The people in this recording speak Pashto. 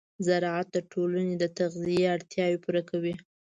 زراعت د ټولنې د تغذیې اړتیاوې پوره کوي.